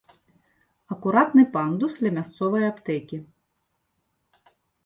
Акуратны пандус ля мясцовай аптэкі.